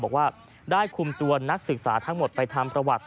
บอกว่าได้คุมตัวนักศึกษาทั้งหมดไปทำประวัติ